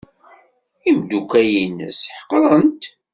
Imeddukal-nnes ḥeqren-t.